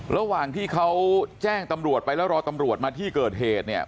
ระหว่างที่เขาแจ้งตำรวจไปแล้วรอตำรวจมาที่เกิดเหตุเนี่ย